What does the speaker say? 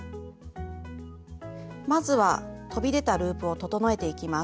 まずは飛び出たループを整えていきます。